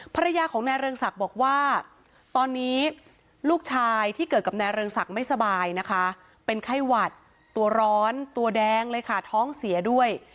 ภรรยาของนายเรืองศักดิ์บอกว่าตอนนี้ลูกชายที่เกิดกับนายเรืองศักดิ์ไม่สบายนะคะเป็นไข้หวัดตัวร้อนตัวแดงเลยค่ะท้องเสียด้วย